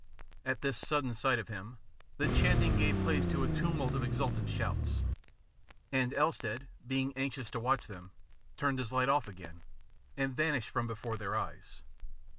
At this sudden sight of him, the chanting gave place to a tumult of exultant shouts; and Elstead, being anxious to watch them, turned his light off again, and vanished from before their eyes.